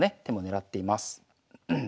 手も狙っています。